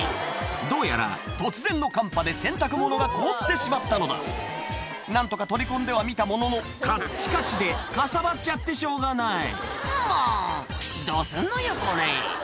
どうやら突然の寒波で洗濯物が凍ってしまったのだ何とか取り込んではみたもののカッチカチでかさばっちゃってしょうがない「もうどうすんのよこれ」